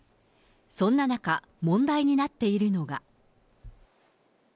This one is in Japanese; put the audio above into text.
そんな中、問題になっているのが。